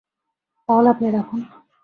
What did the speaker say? তাহলে আপনি রাখুন।